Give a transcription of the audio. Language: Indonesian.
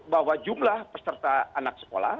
bahwa jumlah peserta anak sekolah